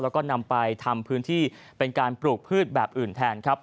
แล้วก็นำไปทำพื้นที่เป็นการปลูกพืชแบบอื่นแทนครับ